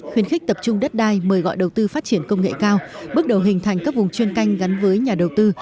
khuyến khích tập trung đất đai mời gọi đầu tư phát triển công nghệ cao bước đầu hình thành các vùng chuyên canh gắn với nhà đầu tư